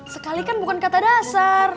sekali kan bukan kata dasar